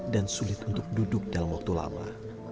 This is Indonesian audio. dan sulit untuk duduk dalam waktu lama